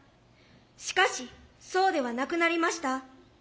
しかしそうではなくなりました。